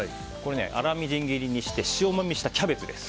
粗みじん切りにして塩もみしたキャベツです。